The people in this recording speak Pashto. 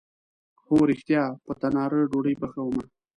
هو ریښتیا، په تناره ډوډۍ پخومه